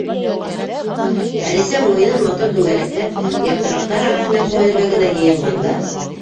Әлисә муйынын матур дүңгәләкләп, япраҡтар араһына күмелергә генә йыйынғанда